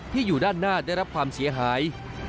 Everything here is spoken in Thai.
อยู่ด้านหน้าได้รับความเสียหาย